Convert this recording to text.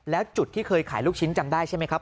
แล้วจุดที่เคยขายลูกชิ้นจำได้ใช่ไหมครับ